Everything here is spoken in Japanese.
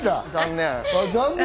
残念。